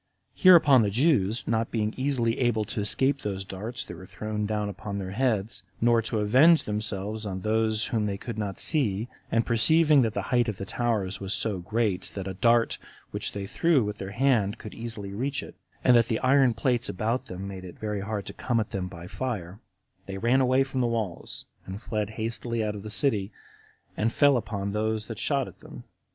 Hereupon the Jews, not being easily able to escape those darts that were thrown down upon their heads, nor to avenge themselves on those whom they could not see, and perceiving that the height of the towers was so great, that a dart which they threw with their hand could hardly reach it, and that the iron plates about them made it very hard to come at them by fire, they ran away from the walls, and fled hastily out of the city, and fell upon those that shot at them.